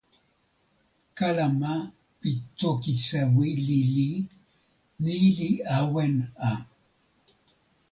kalama pi toki sewi lili ni li awen a.